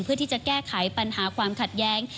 เพื่อที่จะแก้ไขปัญหาความขัดแย้ง